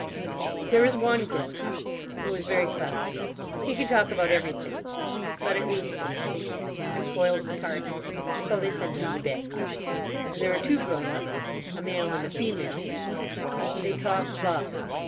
"There is one grown up. Who is very clever. He can talk about everything. But it leads to nothing. And spoils the party. So they send him to bed. And there are two grown ups. A male and a female. And they talk love.